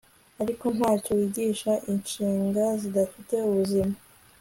Ariko ntacyo wigisha inshinga zidafite ubuzima